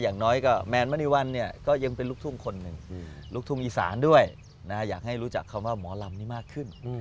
อย่างน้อยก็แมนมณีวันเนี่ยก็ยังเป็นลูกทุ่งคนหนึ่งลูกทุ่งอีสานด้วยอยากให้รู้จักคำว่าหมอลำนี้มากขึ้น